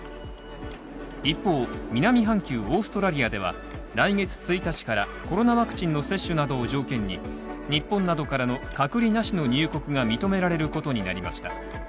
一方、南半球オーストラリアでは、来月１日からコロナワクチンの接種などを条件に、日本などからの隔離なしの入国が認められることになりました。